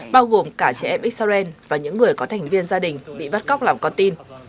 bao gồm cả trẻ em israel và những người có thành viên gia đình bị bắt cóc làm con tin